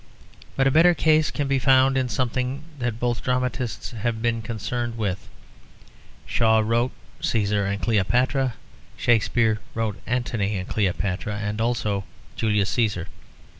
But a better case can be found in something that both dramatists have been concerned with; Shaw wrote Cæsar and Cleopatra; Shakespeare wrote Antony and Cleopatra and also Julius Cæsar.